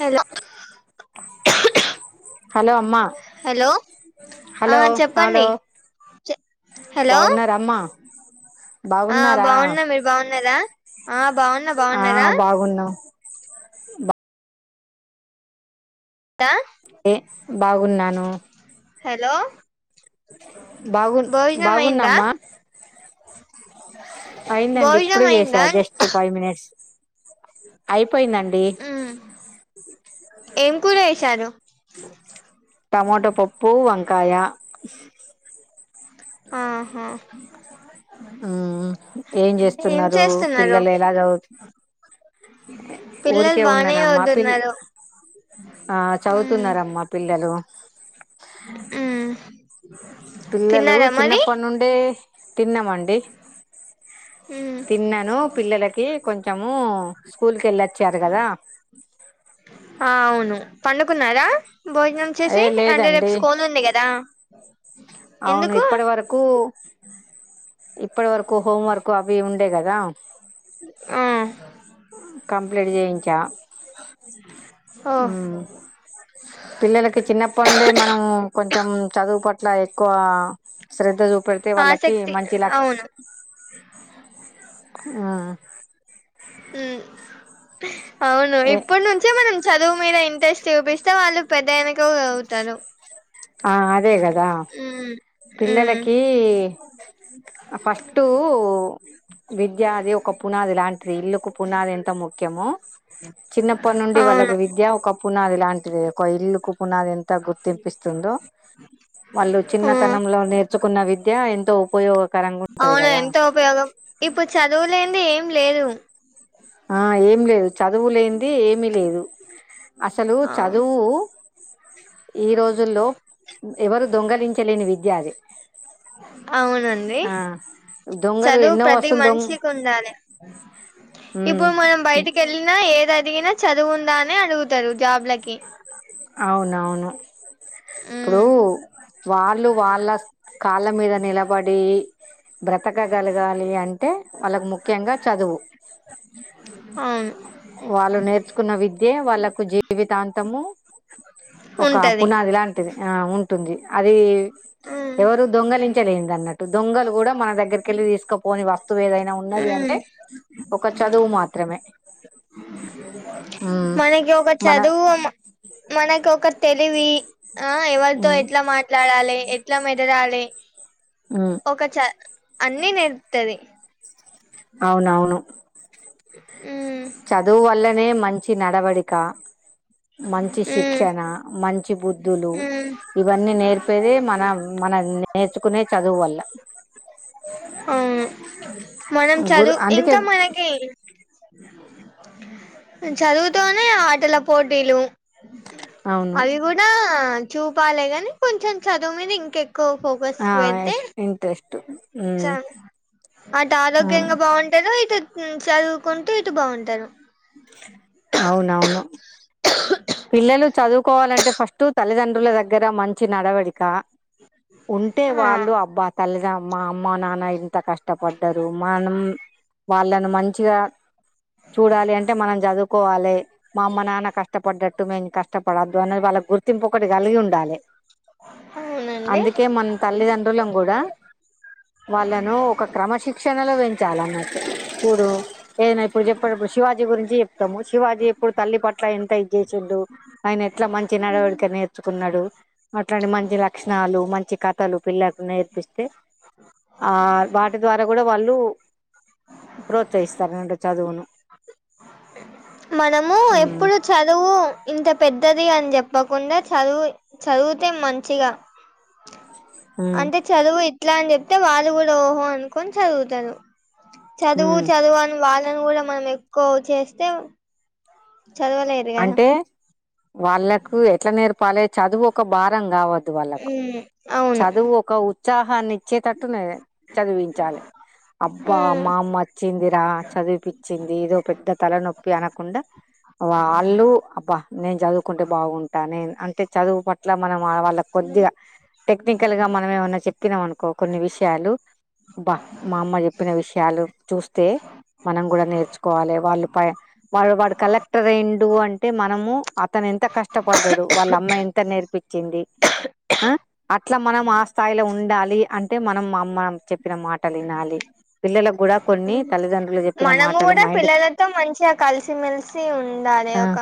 Hello hello అమ్మా hello ఆ చెప్పండి హలో బావున్నారమ్మా ఆ బాగున్న మీరు బాగున్నారా ఆ బాగున్నా ఆ బాగున్నారా బాగున్నాం బా ఏ బాగున్నాను హలో బాగు భోజనం అయిందా బాగున్నామ్మా అయిందండి భోజనం ఇప్పుడు చేసా అయిందా జస్ట్ ఫైవ్ మినిట్స్ అయిపోయిందండి ఉమ్ ఏం కూర చేసారు టమోటో పప్పు వంకాయ ఆహా మ్మ్ ఏం ఏం చేస్తున్నారు చేస్తున్నారు పిల్లలు ఎలా చదువు పిల్లలు ఊరికే బానే ఉన్నానమ్మా పిల్ సవుతున్నారు ఆ చదువుతున్నారమ్మా పిల్లలు మ్మ్ పిల్లలు తిన్నారా మరి చిన్నప్పటి నుండే తిన్నమండి హ తిన్నాను పిల్లలకి కొంచెము స్కూల్ కేళ్ళొచ్చారు కదా [inaudible] ఆ అవును పండుకున్నారా భోజనం ఏ చేసి అంటే రేపు లేదండి స్కోన్ ఉంది కదా అవును ఎందుకు ఇప్పటి వరకు ఇప్పటి వరకు హోం వర్క్ అవి ఉండే కదా ఆ కంప్లీట్ చేయించా ఓ ఉమ్ పిల్లలకి చిన్నప్పటి నుండే మనం కొంచెం చదువు పట్ల ఎక్కువ శ్రద్ధ చూపెడితే వాళ్ళకి ఆసక్తి మంచి లక్ అవును ఆ అవును ఏ ఇప్పుటి నుంచే మనం చదువు మీద ఇంట్రెస్ట్ చూపిస్తే వాళ్ళు పెద్దగైనంక సవుతారు ఆ అదే కదా ఉమ్, పిల్లలకి ఫస్ట్టు విద్య అది ఒక పునాది లాంటిది ఇల్లుకు పునాది ఎంత ముఖ్యమొ చిన్నప్పటి నుండి అవును వాళ్ళకి విద్య ఒక పునాది ఇలాంటిది ఒక ఇల్లు కు పునాది ఎంత గుర్తింపిస్తుందో వాళ్ళు చిన్న ఆ, తనంలో నేర్చుకున్న విద్య ఎంతో ఉపయోగకరంగా ఉంటది అవును కదా ంది ఏం లేదు ఆ ఏమి లేదు చదువు లేంది ఏమిీ లేదు అసలు అవు- చదువు ఈ రోజుల్లో ఎవరు దొంగలించలేని విద్య అదిి అవునండి దొంగలు చదువు ఎన్నో ప్రతి వస్తువులు మనిషికి దొంగ ఉండాలి ఇప్పుడు మనం బయటికేళ్ళినా ఏది అడిగినా చదువుందా అని అడుగుతారు జాబ్లకి అవునవును ఇప్పుడు ఉమ్, వాళ్ళు వాళ్ళ కాళ్ళ మీద నిలబడి బ్రతకగలగాలి అంటే వాళ్ళకు ముఖ్యంగా చదువు అవును వాళ్ళు నేర్చుకున్న విద్యే వాళ్ళలకు జీవితాంతము ఒక ఉంటది పునాది లాంటిది ఆ ఉంటుంది అది ఉమ్, ఎవరు దొంగలించలేనింది అన్నట్టు దొంగలు కూడా మన దగ్గరికెళ్ళి తీసుకపోని వస్తువు ఏదైన్ ఉన్నది అంటే ఉమ్. ఒక చదువు మాత్రమే ఉమ్ మనకి ఒక మన చదువు మనకు ఒక తెలివి ఆ ఎవరితో ఉమ్ ఎట్లా మాట్లాడాలి ఎట్లా మేదలాలే ఉమ్ ఒక చ అన్నిీ నేర్పుతది అవునవును అ చదువు వల్లనే మంచి నడవడిక మంచి ఉమ్ శిక్షణ మంచి బుద్ధులు ఉమ్ ఇవన్నీ నేర్పేదే మన మనం నేర్చుకునే చదువు వల్ల ఆ మనం గురు చదువు అందుకే ఇంకా మనకి చదువుతూనే ఆటల పోటీలు అవును అవి కూడా చూపాలే కని కొంచెం చదువు మీద ఇంకె కో ఫోకస్ ఆ పెడ్తే ఇంట్రెస్ట్ చ ఉమ్, అటు ఆ, ఆరోగ్యంగా బాగుంటరు ఇట్ త్ చదువుకుంటూ ఇటు బాగుంటారు అవునవును పిల్లలు చదువుకోవాలంటే ఫస్టు తల్లిదండ్రుల దగ్గర మంచి నడవడిక ఉంటే ఆ వాళ్ళు అబ్బా తల్లిదండ మా అమ్మ నాన్న ఇంత కష్టపడ్డారు మనం వాళ్ళను మంచిగా చూడాలి అంటే మనం చదువుకోవాలే మా అమ్మ నాన్న కష్టపడ్ టు మేము కష్టపడద్దు అనేది వాళ్ళ గుర్తింపు ఒకటి కలిగి ఉండాలే అవునండి అందుకే మనం తల్లిదండ్రుల కూడా వాళ్ళను ఒక క్రమశిక్షణలో పెంచాలన్నట్టు ఇప్పుడు ఏదనా ఇప్పుడు చెప్పినప్పుడు శివాజీ గురించి చెప్తాము శివాజీ ఎప్పుడు తల్లి పట్ల ఎంత ఇచ్చే చ్చిండు ఆయన ఎట్లా మంచి నడవడిక నేర్చుకున్నాడు అట్లాంటి మంచి లక్షణాలు మంచి క కతలు పిల్లలకు నేర్పిస్తే ఆ వాటి ద్వారా కూడా వాళ్ళు ప్రోత్సహిస్తారనటు చదువును మనము ఉమ్ ఎప్పుడు చదువు ఇంత పెద్దది అని చెప్పకుండా చదువు చదివితే మంచిగా ఉమ్ అంటే చదువు ఇట్లా అని చెప్తే వాళ్ళు కూడా ఓహో అనుకొని చదువుతారు చదువు ఉమ్ చదువు అని వాళ్ళని కూడా మనం ఎక్కువ చేస్తే చదవలేరు కదా అంటే వాళ్ళకు ఎట్లా నేర్పాలి చదువు ఒక భారం కావ్ హ్మ చదువు ఒక ఉత్సాహాన్ని ఇచ్చేటట్టు చదివించాలి అబ్బా ఉమ్, మా అమ్మ వచ్చిందిరా చదివిపిచ్చింది ఏదో పెద్ద తల నొప్పి అనకుండా వాళ్ళు అబ్బా నేను చదువుకుంటే బాగుంటా నేను అంటే చదువు పట్ల మనం వాళ్ళ కి కొద్దిగా టెక్నికల్ గా మనం ఏమన్నా చెప్పినాం అనుకో కొన్ని విషయాలు బా మా అమ్మ చెప్పిన విషయం ము్యాలు చూస్తే మనం కూడా నేర్చుకోవాలి వాళ్ళు ప వా వాడు కలెక్ట్ ర్ అయిండు అంటే మనము అతను ఎంత కష్టపడ్డాడు వాళ్ళ అమ్మ ఎంత నేర్పించింది ఆ అట్లా మనం ఆ స్థాయిలో ఉండాలి అంటే మనం మా అమ్మ చెప్పిన మాటలు వినాలి పిల్లలకు కూడా కొన్ని తల్లిదండ్రులు చెప్ మనము కూడా పిల్లలతో మంచిగా కలిసిమెలిసి ఉండ ఉండాలి ఆ ఒక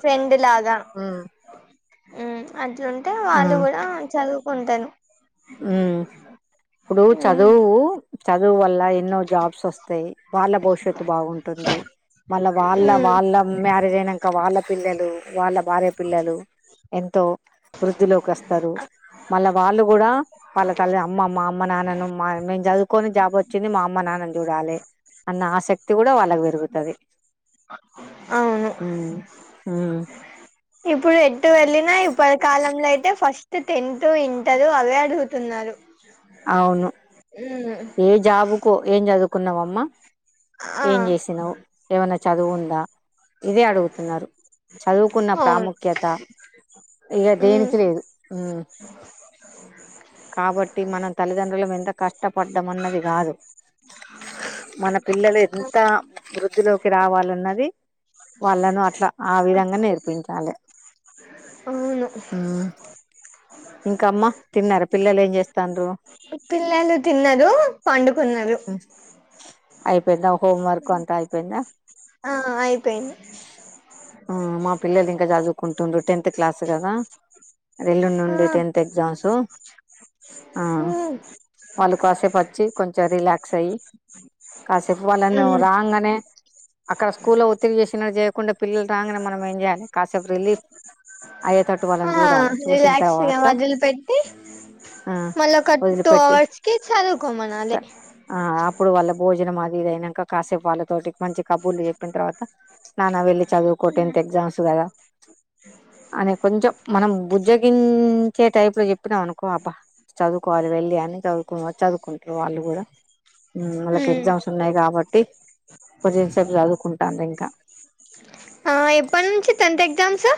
ఫ్రెండ్ లాగా హ్మ్ ఆన్ లుంటే వాళ్ళు కూడా చదువుకుంటాను హ్మ ఇప్పుడు ఉమ్, చదువు చదువు వల్ల ఎన్నో జాబ్స్ వస్తాయి వాళ్ళ భవిష్యత్తు బాగుంటు ఉంది మళ్ళా వాళ్ళ ఉమ్, వాళ్ళ మ్యారేజ్ అయినాక వాళ్ళ పిల్లలు వాళ్ళ భార్య పిల్లలు ఎంతో వృద్ధిలోకి వస్తారు మళ్ళా వాళ్ళు కూడా వాళ్ళ తల్లి అమ్మమ్ మా అమ్మ నాన్నను మా మేము చదువుకొని జాబ్ వచ్చింది మా అమ్మ నాన్నని చూడాలి అన్న ఆసక్తి కూడా వాళ్ళకు పెరుగుతది అవును హ్మ్ ఇప్పుడు ఎటు వెళ్ళినా ఇప్పటి కాలంలో అయితే ఫాష్ స్ట టెన్త్ ఇంటరు అవే అడుగుతున్నారు అవును ఏ జాబుకో ఏం చదువుకున్నావ అమ్మా ఆ ఏం చేసినావు ఏమన్నా చదువుందా ఇదే అడుగుతున్నారు చదువుకున్న అవును ప్రాముఖ్యత ఇక ఉమ్ దేనికి లేదు కాబట్టి మనం తల్లిదండ్రులము ఎంత కష్టపడ్డం అన్నది కాదు మన పిల్లలు ఎంత వృత్తి లోకి రావాలన్నది వాళ్ళను అట్లా ఆ విధంగా నేర్పించాలి అవును హ్మ్ ఇంకమ్మా తిన్నార పిల్లలు ఏం చేస్తాండ్రు పిల్లలు తిన్నారు పండుకున్నారు ఉమ్, అయిపోయిందా హోం వర్క్ అంతా అయిపోయిందా ఆ అయిపోయింది ఆ మా పిల్లలు ఇంకా చదువుకుంటున్రు టెన్త్ క్లాస్ కదా అదే ఎల్లుండి నుండి టెన్త్ ఎగ్జామ్స్ ఆ వాళ్ళు కాసేపు వచ్చి కొంచెం రిలాక్స్ అయ్యి హ్మ కాసేపు వాళ్ళను రాగానే అక్కడ స్కూల్లో ఒత్తిడి చేసినట్డు చేయకుండా పిల్లలు రాగానే మనం ఏం చేయాలి కాసేపు రిలీఫ్ అయ్యే తట్టు వాళ్ళని చూడాలి చూసిన రిలాక్స్గా తర్వాత వదిలి పెట్టి ఆ మళ్ళ ఒక టూ వదిలిపెట్టి అవర్స్ కి చదువుకోమనాలి ఆ అప్పుడు వల్ల భోజనం అది ఇది అయినాక కాసేపు వాళ్ళతోటి మంచి కబుర్లు చెప్పిన తర్వాత నానా వెళ్ళి చదువుకో టెన్త్ ఎగ్జామ్స్ కదా అని కొంచెం మనం బుజ్జగిం చే టైప్ లో చెప్పినావ్ అనుకో అబ్బా చదువుకోవాలి వెళ్ళి అని చదువుకు చదువుకుంట్రు వాళ్ళు కూడా మ్మ్ వాళ్ళకి ఉమ్ ఎగ్జామ్స్ ఉన్నాయి కాబట్టి కొంచెం సేపు చదువుకుంటాన్రు ఇంకా ఆ ఎప్పటి నుంచి టెన్త్ ఎగ్జామ్స్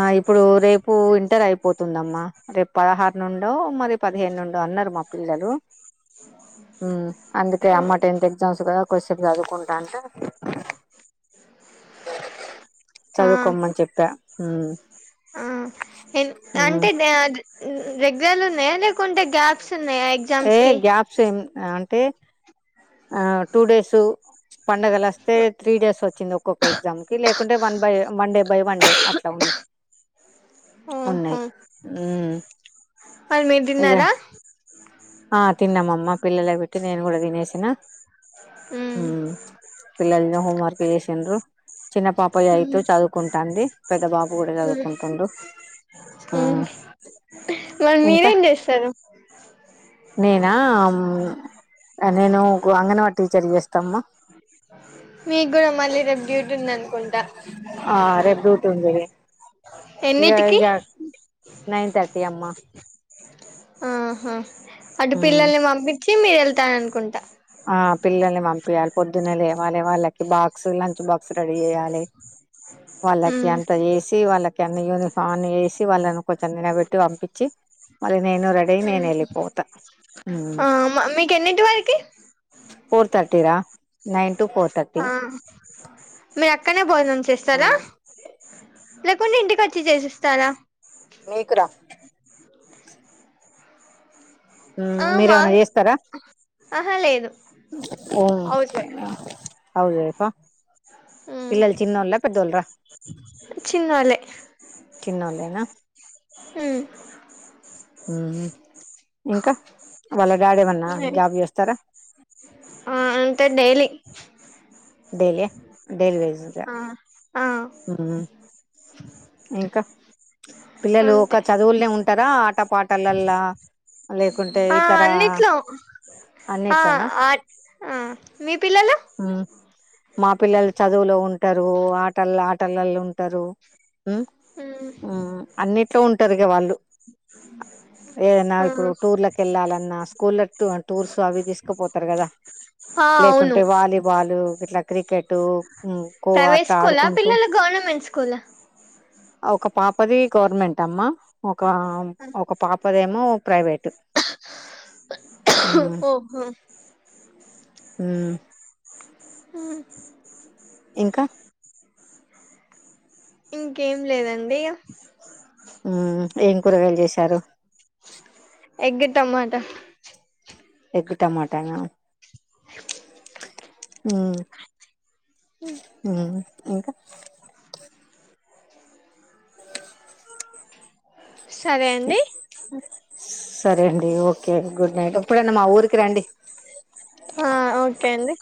ఆ ఇప్పుడు రేపు ఇంటర్ అయిపోతుందమ్మా రేపు పదహారు నుండో మరి పదిహేను నుం డో అన్నారు మా పిల్లలు అందుకే అమ్మ టెన్త్ ఎగ్జామ్స్ కదా కొసేపు చదువుకుంటా అంటే ఆ చదువుకోమ్మని చెప్పా హ్మ్ హెన్ అంటే [unintelligible] ఉన్ న్ రెగ్యులర్ ఉన్నాయా లేకుంటే గ్యాప్స్ ఉన్నాయా ఏ ఎగ్జామ్స్ కి గ్యాప్స్ ఏం అంటే ఆ టూ డేసు పండగలు వస్తే త్రీ డేస్ వచ్చింది ఒక్కొక్క ఎగ్జామ్ కి లేకుంటే one by one day by one day అట్ల ఉన్నాయి ఉన్నాయ్ మ్మ్ కాదు మీరు తిన్నారా ఆ తిన్నామమ్మ పిల్లలకి బెట్టి నేను కూడా తినేసిన మ్మ్ పిల్లల్ని హోం వర్క్ చేసిండ్రు చిన్న పాప ఎయితు చదువుకుంటాంది పెద్ద బాబు కూడా చదువుకుంటుడు ఉమ్ మరి ఇంకా మీరేం చేస్సరు నేనా అమ్ అ నేను అంగన్వాడి టీచర్ చేస్తమ్మా మీక్కూడా మళ్ళీ రేపు డ్యూటీ ఉంది అనుకుంటా, ఇగ ఎన్నిటికి ఇగ నైన్ థర్టీ అమ్మా ఆహా అటు పిల్లల్ని పంపిచ్చి మీరు వెళ్తారు అనుకుంటా ఆ పిల్లల్ని పంపియాలి పొద్దున్నే లేవాలి వాళ్ళకి బాక్స్ లంచ్ బా క్స్ రెడీ చేయాలె వాళ్ళకి మ్మ్ అంత చేసి వాళ్ళకి అన్నీ యూనిఫాం వేసి వాళ్ళని కొంచెం తినబెట్టి వంపిచ్చి మళ్ళీ నేను రెడీ అయి నేను వెళ్ళిపోతా ఉమ్ ఆ మీకు ఎన్నింటి వరకి ఫోర్ థర్టీ రా నైన్ టు ఫోర్ థర్టీ ఆ మీరు అక్కనే భోజనం చేస్తారా లేకుండా ఇంటికి వచ్చి చేసిస్తారా మీకురా ఆ మీరేమైనా మావి చేస్తారా ఆహా లేదు [unintelligible] హౌస్ వైఫ్ పిల్లలు చిన్నోళ్ళా పెద్దోళ్ళురా చిన్నోళ్ళే చిన్నోళ్ళేనా ఇంకా వాళ్ళ డాడీ ఏమన్నా జాబ్ చేస్తారా ఆ అంటే డైలీ డైలీ యా డైలీ వేజ్దా ఆ ఆ హ్మ్ ఇంకా పిల్లలు ఒక అంతే చదువులనే ఉం ఉంటర ఆట పాటలలా లేకుంటే ఆ ఇతర అన్నిట్లో ఆ అన్నిట్లోనా ఆ మీ పిల్లలు ఉమ్ మా పిల్లలు చదువులో ఉంటారు ఆటలు ఆటలల్లో ఉంటారు అన్నిట్లో ఉంటరు ఇగ వాళ్ళు ఏదన్నా ఇప్పుడు టూర్ లకు వెళ్ళాలన్నా స్కూల్ లో టూర్స్ అవి తీసుకుపోతారు కదా ఆ అవును లేకుంటే వాలీబాలు ఇట్లా క్రికెట్టు ఖో ప్రైవేట్ అట్లా ఆడు స్కూలా పిల్లలు గవర్నమెంట్ స్కూల్ ఒక పాపది గవర్నమెంట్ అమ్మ ఒక ఒక పాపదేమో ప్రైవేటు హ్మ్ ఓహో హ్మ్ ఆ ఇంకా ఇంకేం లేదండి ఉమ్ ఏం కూరగాయలు చేసారు ఎగ్ టమాట ఎగ్ టమాటా నా ఉమ్ ఉమ్ ఇంకా సరే అండి సరే అండి ఓకే గుడ్ నైట్ ఎప్పుడన్న మా ఊరికి రండి ఆ ఓకే అండి